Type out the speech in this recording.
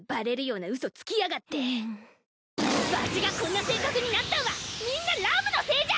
わしがこんな性格になったんはみんなラムのせいじゃ！